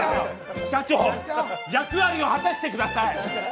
社長、役割を果たしてください。